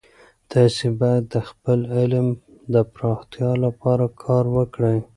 تاسې باید د خپل علم د پراختیا لپاره کار وکړئ.